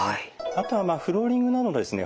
あとはフローリングなどですね